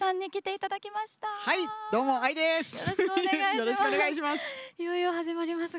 よろしくお願いします。